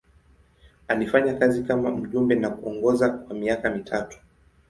Alifanya kazi kama mjumbe na kuongoza kwa miaka mitatu.